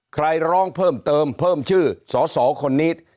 ใครร้องเพิ่มเติมเพิ่มชื่อสสคนนี้